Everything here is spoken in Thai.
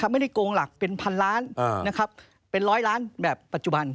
ไม่ได้โกงหลักเป็นพันล้านเป็นร้อยล้านแบบปัจจุบัน